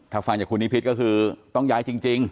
ถ้าฟังจากคุณนิพิษก็คือต้องย้ายจริง